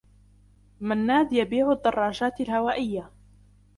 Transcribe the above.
منّاد يبيع الدّرّاجات الهوائيّة.